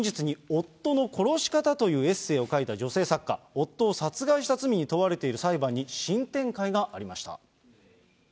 夫の殺し方というエッセーを書いた女性作家、夫を殺害した罪に問われている裁判に新展開がありました。